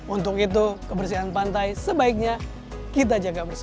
untuk itu kebersihan pantai sebaiknya kita jaga bersama